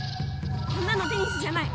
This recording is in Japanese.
こんなのテニスじゃない！